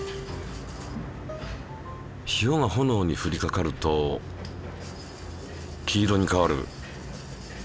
塩が炎に降りかかると黄色に変わる。